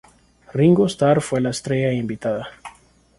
Ringo Starr fue la estrella invitada.